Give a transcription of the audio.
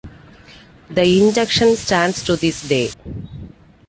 The injunction stands to this day.